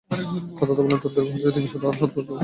কাতাদা বলেন, তার দৈর্ঘ্য ছিল তিনশ হাত আর প্রস্থ পঞ্চাশ হাত।